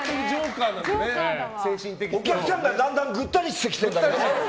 お客さんがだんだんぐったりしてきてんだけど。